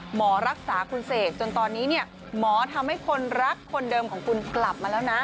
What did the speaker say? หมอรักษาคุณเสกจนตอนนี้เนี่ยหมอทำให้คนรักคนเดิมของคุณกลับมาแล้วนะ